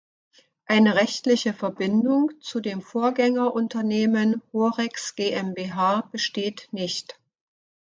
Eine rechtliche Verbindung zu dem Vorgängerunternehmen Horex GmbH besteht nicht.